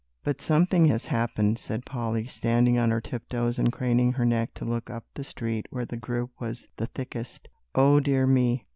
"But something has happened," said Polly, standing on her tiptoes, and craning her neck to look up the street where the group was the thickest. "O dear me!